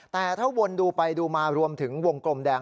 แต่ถ้าวนดูไปดูมารวมถึงวงกลมแดง